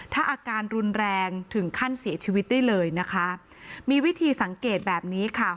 ถ้าอาการรุนแรงถึงขั้นเสียชีวิตได้เลยนะคะมีวิธีสังเกตแบบนี้ค่ะ